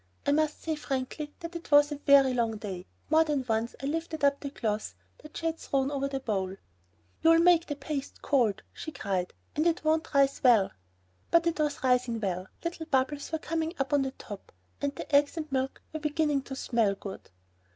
I must say frankly that it was a very long day, and more than once I lifted up the cloth that she had thrown over the bowl. "You'll make the paste cold," she cried; "and it won't rise well." But it was rising well, little bubbles were coming up on the top. And the eggs and milk were beginning to smell good.